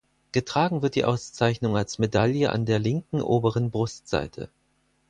Getragen wird die Auszeichnung als Medaille an der linken oberen Brustseite.